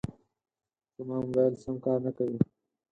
زما موبایل سم کار نه کوي.